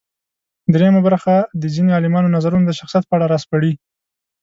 درېیمه برخه د ځينې عالمانو نظرونه د شخصیت په اړه راسپړي.